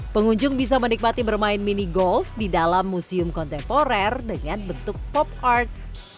pengunjung bisa menikmati bermain mini golf di dalam museum kontemporer dengan bentuk pop art